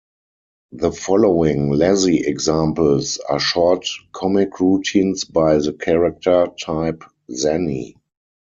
The following Lazzi examples are short comic routines by the character type Zanni.